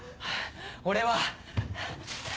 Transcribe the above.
俺は。